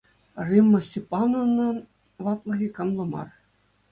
Римма Степановнӑн ватлӑхӗ канлӗ мар.